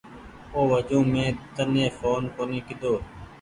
او وجون مين تني ڦون ڪونيٚ ڪيۮو۔